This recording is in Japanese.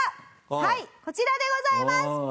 はいこちらでございます！